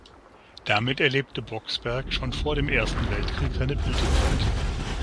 Damit erlebte Boxberg schon vor dem Ersten Weltkrieg seine Blütezeit.